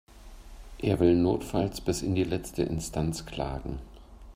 Er will notfalls bis in die letzte Instanz klagen.